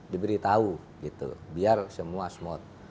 diberitahu gitu biar semua smooth